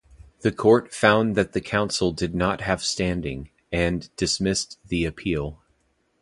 The Court found that the Council did not have standing, and dismissed the appeal.